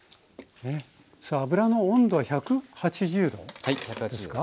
さあ油の温度は１８０℃ですか。